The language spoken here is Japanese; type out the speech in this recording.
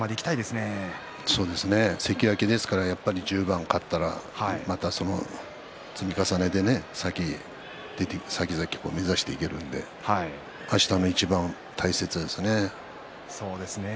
関脇ですから１０番勝ったら、また積み重ねでさきざき目指していけるのであしたの一番、大切ですかね。